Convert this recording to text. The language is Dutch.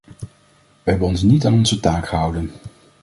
Wij hebben ons niet aan onze taak gehouden.